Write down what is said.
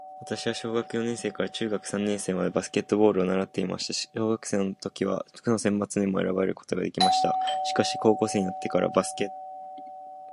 私は小学四年生から中学三年生までバスケットボールを習っていました。小学生の時は区の選抜にも選ばれることができました。しかし、高校生になってからバスケットボールに飽きてしまって硬式テニス部に入部しました。